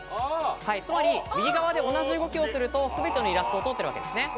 つまり、右側で同じ動きをすると全てのイラストを通ってるわけですね。